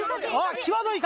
際どいか？